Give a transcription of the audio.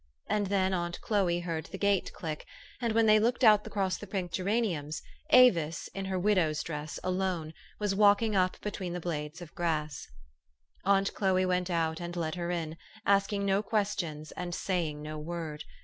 And then aunt Chloe heard the gate click ; and, when they both looked out across the pink geraniums, Avis, in her widow's dress, alone, was walking up between the blades of grass. Aunt Chloe went out and led her in, asking no questions, and saying no word.